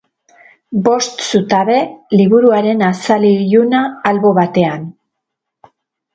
Bost zutabe, liburuaren azal iluna albo batean.